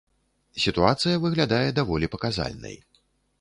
Сітуацыя выглядае даволі паказальнай.